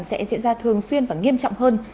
sẽ diễn ra thường xuyên và nghiêm trọng hơn